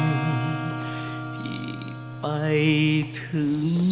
เพราะในลมพัดพาหัวใจพี่ไปถึง